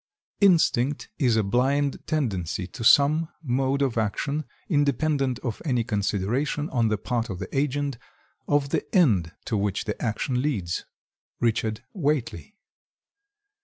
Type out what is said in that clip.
"Instinct is a blind tendency to some mode of action, independent of any consideration on the part of the agent, of the end to which the action leads."—Richard Whately.